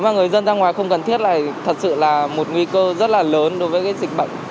và người dân ra ngoài không cần thiết là thật sự là một nguy cơ rất là lớn đối với dịch bệnh